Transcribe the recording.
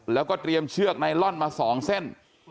แล้วก็เตรียมเชือกไนลอนมา๒เส้น